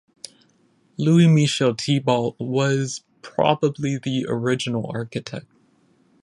Louis Michel Thibault was probably the original architect.